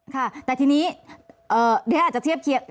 ค่ะแต่ทีนี้เรียนอาจจะเทียบเคียง